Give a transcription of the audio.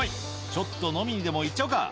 「ちょっと飲みにでも行っちゃうか」